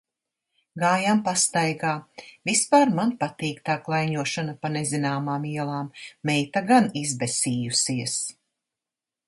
Gājām pastaigā. Vispār man patīk tā klaiņošana pa nezināmām ielām. Meita gan izbesījusies.